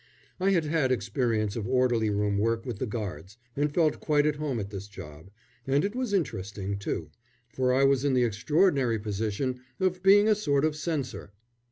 I had had experience of orderly room work with the Guards, and felt quite at home at this job and it was interesting, too, for I was in the extraordinary position of being a sort of censor!